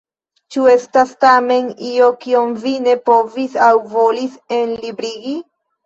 Ĉu estas tamen io kion vi ne povis aŭ volis enlibrigi?